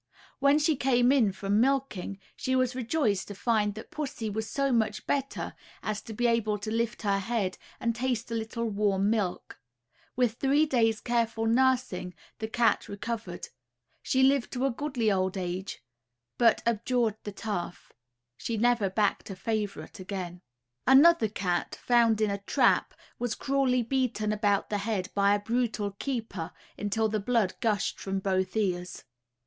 When she came in from milking, she was rejoiced to find that pussy was so much better, as to be able to lift her head and taste a little warm milk. With three days' careful nursing the cat recovered. She lived to a goodly old age, but abjured the turf, she never backed a favourite again. Another cat, found in a trap, was cruelly beaten about the head by a brutal keeper, until the blood gushed from both ears.